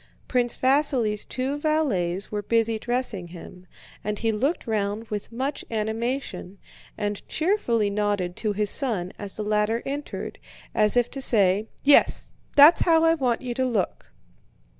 Prince Vasíli's two valets were busy dressing him, and he looked round with much animation and cheerfully nodded to his son as the latter entered, as if to say: "Yes, that's how I want you to look."